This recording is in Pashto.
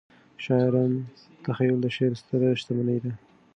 شاعرانه تخیل د شعر ستره شتمنۍ ده.